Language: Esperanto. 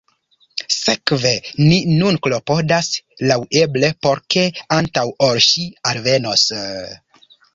Sekve, ni nun klopodas laŭeble por ke, antaŭ ol ŝi alvenos…